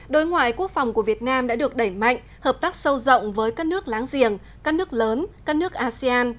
đối ngoại quốc phòng của việt nam đã được đẩy mạnh hợp tác sâu rộng với các nước láng giềng các nước lớn các nước asean